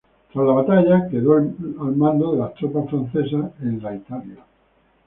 Tras la batalla, quedó al mando de las tropas francesas en Italia.